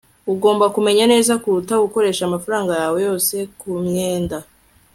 ugomba kumenya neza kuruta gukoresha amafaranga yawe yose kumyenda